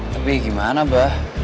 tapi gimana bah